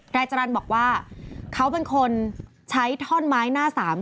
นายจรรย์บอกว่าเขาเป็นคนใช้ท่อนไม้หน้าสาม